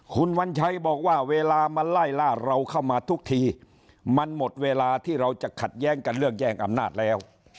คุณวัญชัยบอกว่าเวลามันไล่ล่าเราเข้ามาทุกทีมันหมดเวลาที่เราจะขัดแย้งกันเรื่องแย่งอำนาจแล้ว